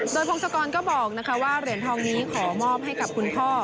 โดยพงศกรก็บอกว่าเหรียญทองนี้ขอมอบให้กับคุณพ่อ